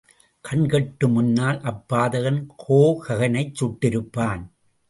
கண்கொட்டு முன்னால் அப்பாதகன் ஹோகனைச் சுட்டிருப்பான்.